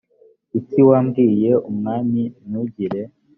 iki wabwiye umwami ntugire